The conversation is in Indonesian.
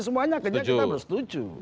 semuanya kita harus setuju